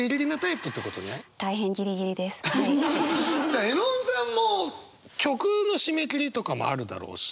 さあ絵音さんも曲の締め切りとかもあるだろうし。